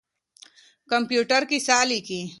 کمپيوټر کيسه ليکي.